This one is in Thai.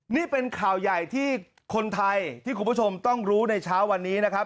นี่เป็นข่าวใหญ่ที่คนไทยที่คุณผู้ชมต้องรู้ในเช้าวันนี้นะครับ